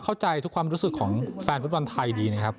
เข้าใจทุกความรู้สึกของแฟนฟุตบอลไทยดีนะครับ